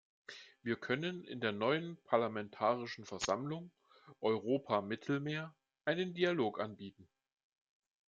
Wir können in der neuen Parlamentarischen Versammlung Europa-Mittelmeer einen Dialog anbieten.